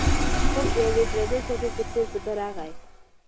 خوب د یوې درنې څپې په څېر په ده راغی.